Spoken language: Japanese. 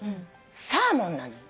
サーモンなのよ。